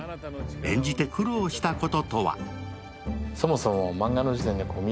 演じて苦労したこととは？